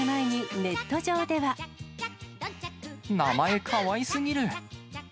名前、かわいすぎる。